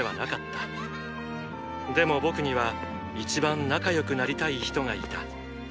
でも僕には一番仲良くなりたい人がいた。